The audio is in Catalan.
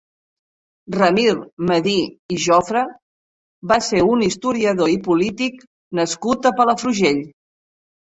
Ramir Medir i Jofra va ser un historiador i polític nascut a Palafrugell.